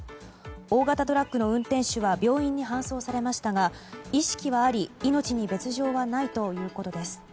大型トラックの運転手は病院に搬送されましたが意識はあり命に別条はないということです。